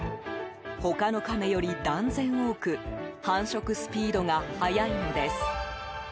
他のカメより断然多く繁殖スピードが速いのです。